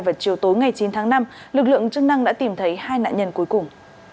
vào chiều tối ngày chín tháng năm lực lượng chức năng đã tìm thấy hai nạn nhân cuối cùng